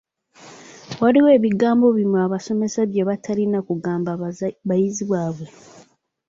Waliwo ebigambo ebimu abasomesa bye batalina kugamba bayizi baabwe.